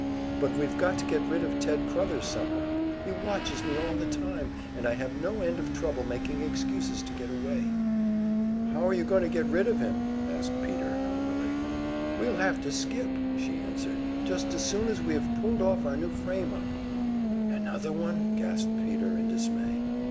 But we've got to get rid of Ted Crothers somehow. He watches me all the time, and I have no end of trouble making excuses and getting away." "How're you're going to get rid of him?" asked Peter, hungrily. "We'll have to skip," she answered; "just as soon as we have pulled off our new frame up " "Another one?" gasped Peter, in dismay.